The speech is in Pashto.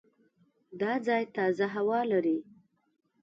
دا ځای تازه هوا لري.